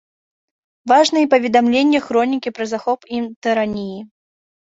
Важна і паведамленне хронікі пра захоп ім тыраніі.